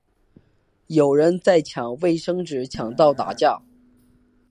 有人在抢卫生纸抢到打架